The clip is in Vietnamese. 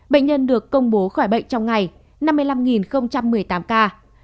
bệnh nhân được công bố khỏi bệnh trong ngày năm mươi năm một mươi tám ca